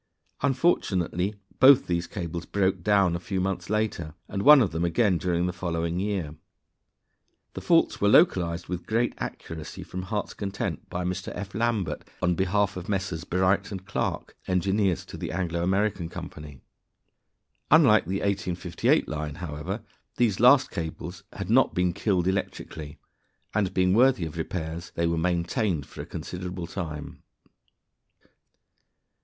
Unfortunately both these cables broke down a few months later, and one of them again during the following year. The faults were localized with great accuracy from Heart's Content by Mr. F. Lambert on behalf of Messrs. Bright & Clark, engineers to the "Anglo American" Company. Unlike the 1858 line, however, these last cables had not been killed electrically, and, being worthy of repairs, they were maintained for a considerable time.